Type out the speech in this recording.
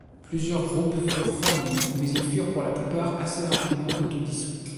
Plusieurs groupes furent formés, mais ils furent pour la plupart assez rapidement auto-dissous.